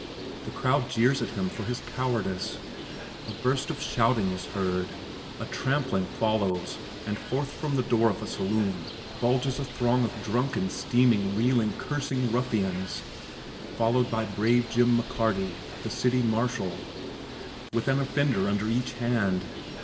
The crowd jeers at him for his cowardice a burst of shouting is heard. A trampling follows and forth from the door of a saloon bulges a throng of drunken, steaming, reeling, cursing ruffians followed by brave Jim McCarty, the city marshal, with an offender under each hand.